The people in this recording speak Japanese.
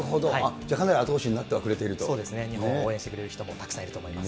じゃあかなり後押そうですね、日本を応援してくれる人もたくさんいると思います。